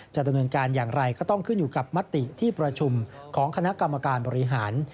จะดำเนินการอย่างไรก็ต้องขึ้นอยู่กับมติที่ประชุมของคณะกรรมการบริหาร